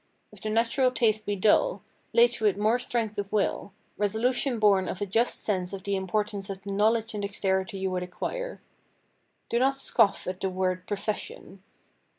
If the natural taste be dull, lay to it more strength of will—resolution born of a just sense of the importance of the knowledge and dexterity you would acquire. Do not scoff at the word "profession."